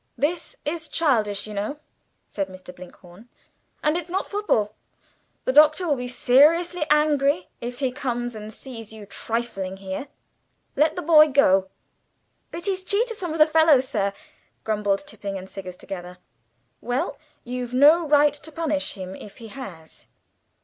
"This is childish, you know," said Mr. Blinkhorn, "and it's not football. The Doctor will be seriously angry if he comes and sees you trifling here. Let the boy go." "But he's cheated some of the fellows, sir," grumbled Tipping and Siggers together. "Well, you've no right to punish him if he has.